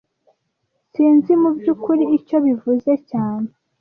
Sinzi mubyukuri icyo bivuze cyane